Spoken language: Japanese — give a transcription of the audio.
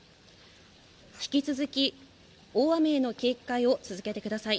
引き続き、大雨への警戒を続けてください。